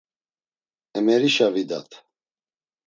Emerişa vidat.